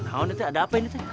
kenapa rt ada apa ini